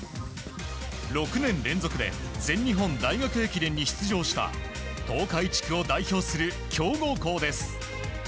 ６年連続で全日本大学駅伝に出場した東海地区を代表する強豪校です。